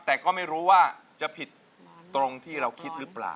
แต่ก็ไม่รู้ว่าจะผิดตรงที่เราคิดหรือเปล่า